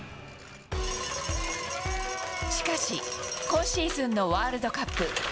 しかし、今シーズンのワールドカップ。